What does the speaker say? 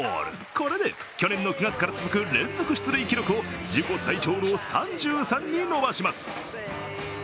これで去年の９月から続く連続出塁記録を自己最長の３３に伸ばします。